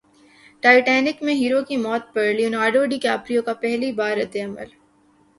Titanic میں hero کی موت پر لیونارڈو ڈی کیپریو کا پہلی بار ردعمل